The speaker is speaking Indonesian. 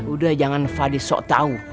udah jangan fadis sok tahu